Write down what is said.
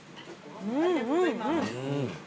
うんうんうん。